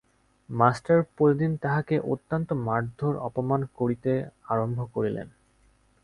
Master প্রতিদিন তাহাকে অত্যন্ত মারধোর অপমান করিতে আরম্ভ করিলেন।